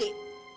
iya kan pak